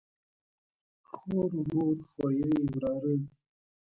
خور، ورور، خوریئ ،وراره